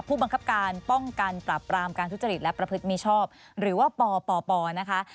ผู้บังคับการป้องกันปรับปรามการทุจริตและประพฤติมิชอบหรือว่าปปนะคะ